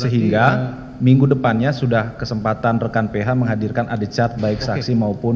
sehingga minggu depannya sudah kesempatan rekan ph menghadirkan ade cat baik saksi maupun